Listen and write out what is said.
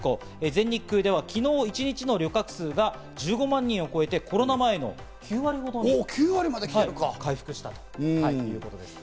全日空では昨日一日の旅客数が１５万人を超えて、コロナ前の９割ほどに回復したということです。